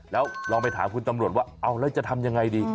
แล้วลองไปถามคุณตำรวจว่าเอาแล้วจะทำยังไงดี